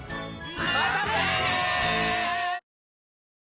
またね！